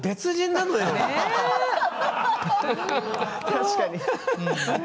確かに。